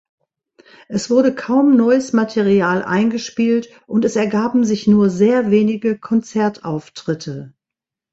Es wurde kaum neues Material eingespielt, und es ergaben sich nur sehr wenige Konzertauftritte.